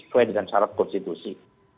sesuai dengan syarat konstitusi